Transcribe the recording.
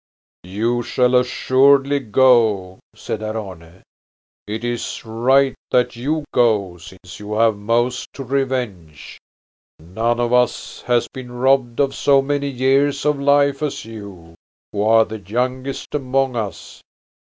"You shall assuredly go," said Herr Arne. "It is right that you go, since you have most to revenge. None of us has been robbed of so many years of life as you, who are the youngest among us."